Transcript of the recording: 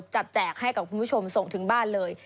แจกให้กับคุณผู้ชมส่งถึงบ้านเลย